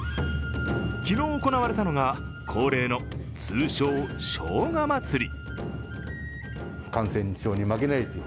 昨日行われたのが、恒例の通称・生姜まつり。